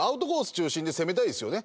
中心に攻めたいですよね。